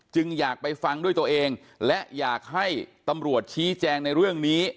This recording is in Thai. อยากไปฟังด้วยตัวเองและอยากให้ตำรวจชี้แจงในเรื่องนี้